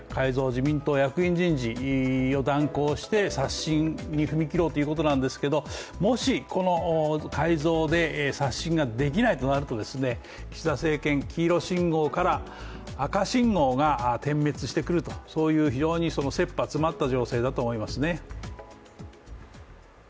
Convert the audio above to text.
自民党役員人事を断行して刷新に踏み切ろうということなんですけどもし、この改造で刷新ができないとなると岸田政権、黄色信号から赤信号が点滅してくると、非常にせっぱ詰まった情勢だと思います。